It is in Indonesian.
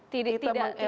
tidak menangkap ya